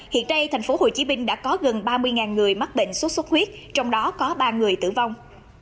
hiện đây thành phố hồ chí minh đã có gần ba mươi người mắc bệnh sốt xuất huyết trong đó có ba người tử vong